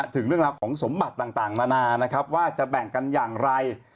ถึงเรื่องราวของสมบัติต่างนานานะครับว่าจะแบ่งกันอย่างไร